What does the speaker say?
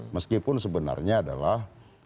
meskipun sebenarnya adalah